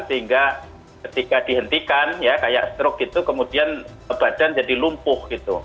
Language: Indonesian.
sehingga ketika dihentikan ya kayak stroke itu kemudian badan jadi lumpuh gitu